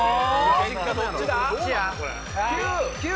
結果どっちだ？